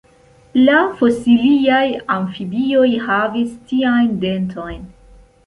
La fosiliaj amfibioj havis tiajn dentojn.